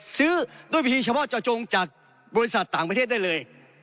ซื้อด้วยวิธีเฉพาะเจาะจงจากบริษัทต่างประเทศได้เลย